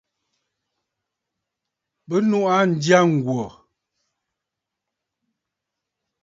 Bɨ nuʼu aa ǹjyâ ŋ̀gwò.